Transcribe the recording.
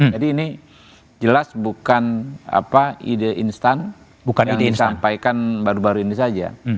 jadi ini jelas bukan ide instan yang disampaikan baru baru ini saja